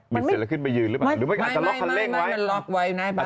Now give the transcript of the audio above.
หรืออันนี้อ่อนจะล๊อคคันเร่งไว้